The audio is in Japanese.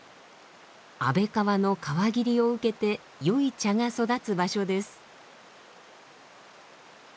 安倍川の川霧を受けて良い茶が育つ場所です。